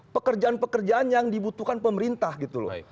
pekerjaan pekerjaan yang dibutuhkan pemerintah gitu loh